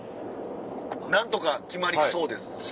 何とか決まりそうです。